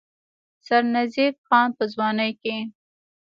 سرنزېب خان پۀ ځوانۍ کښې